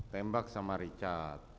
tembak sama rincat